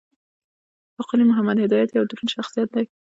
ښاغلی محمد هدایت یو دروند شخصیت دی.